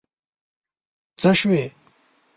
څه شوي.